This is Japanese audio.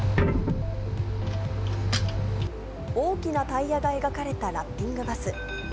大きなタイヤが描かれたラッピングバス。